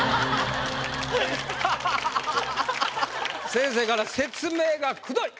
先生から「説明がクドい！」。